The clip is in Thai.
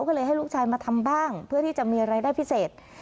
ก็เลยให้ลูกชายมาทำบ้างเพื่อที่จะมีรายได้พิเศษ